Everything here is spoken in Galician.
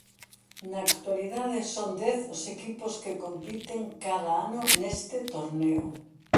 Na actualidade son dez os equipos que compiten cada ano neste torneo.